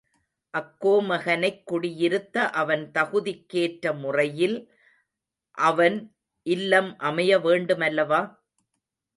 அக்கோமகனைக் குடியிருத்த அவன் தகுதிக் கேற்ற முறையில் அவன் இல்லம் அமைய வேண்டுமல்லவா?